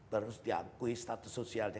baru diakui status sosial